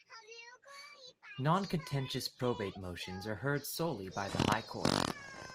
Non-contentious Probate motions are heard solely by the High Court.